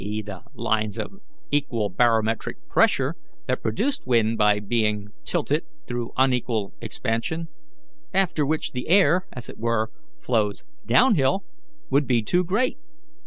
e., the lines of equal barometric pressure that produce wind by becoming tilted through unequal expansion, after which the air, as it were, flows down hill would be too great.